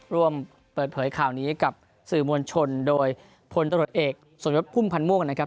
ร่วมเปิดเผยข่าวนี้กับสื่อมวลชนโดยพลตรวจเอกสมยศพุ่มพันธ์ม่วงนะครับ